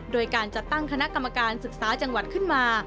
โดยการจัดตั้งคณะกรรมการศึกษาจังหวัดขึ้นมา